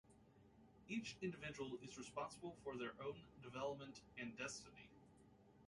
Each individual is responsible for their own development and destiny.